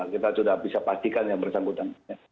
kita sudah bisa pastikan yang bersangkutan